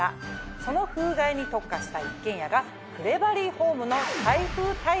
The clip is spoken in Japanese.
その風害に特化した一軒家がクレバリーホームの。